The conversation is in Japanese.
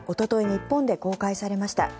日本で公開されました。